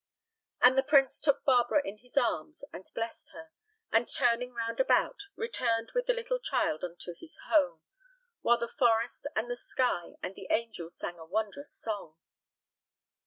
And the prince took Barbara in his arms and blessed her, and turning round about, returned with the little child unto his home, while the forest and the sky and the angels sang a wondrous song.